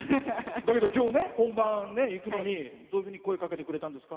本番に行くのに、どういうふうに声かけてくれたんですか。